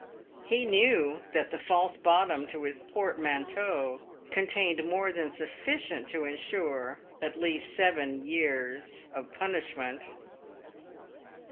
He knew that the false bottom to his portmanteau contained more than sufficient to ensure at least seven years of punishment.